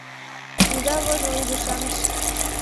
— Ида вожыл, ӱдыр-шамыч!